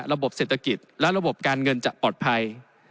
ระบบเศรษฐกิจและระบบการเงินจะปลอดภัย